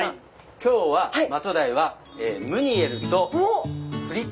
今日はマトウダイはムニエルとフリット！